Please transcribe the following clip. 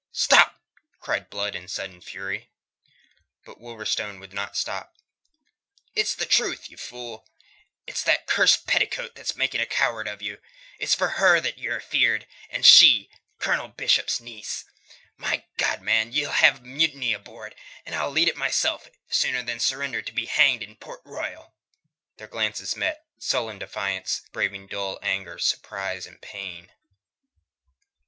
"Stop!" cried Blood in sudden fury. But Wolverstone would not stop. "It's the truth, you fool. It's that cursed petticoat's making a coward of you. It's for her that ye're afeard and she, Colonel Bishop's niece! My God, man, ye'll have a mutiny aboard, and I'll lead it myself sooner than surrender to be hanged in Port Royal." Their glances met, sullen defiance braving dull anger, surprise, and pain.